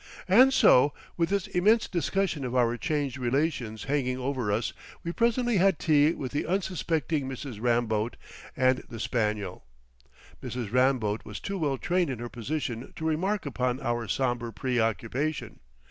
And so, with this immense discussion of our changed relations hanging over us, we presently had tea with the unsuspecting Mrs. Ramboat and the spaniel. Mrs. Ramboat was too well trained in her position to remark upon our somber preoccupation.